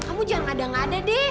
kamu jangan ada ada deh